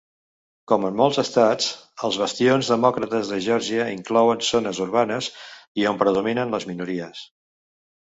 Com en molts estats, els bastions demòcrates a Geòrgia inclouen zones urbanes i on predominen les minories.